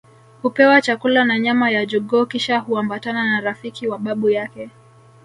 Hupewa chakula na nyama ya jogoo kisha huambatana na rafiki wa babu yake